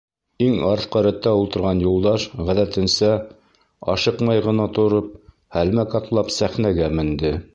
Иң артҡы рәттә ултырған Юлдаш, ғәҙәтенсә, ашыҡмай ғына тороп, һәлмәк атлап сәхнәгә менде.